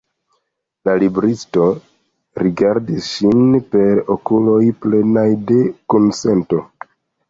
La libristo rigardis ŝin per okuloj plenaj de kunsento.